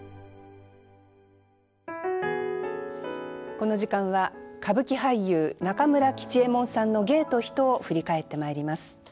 この時間は歌舞伎俳優中村吉右衛門さんの芸と人を振り返ってまいります。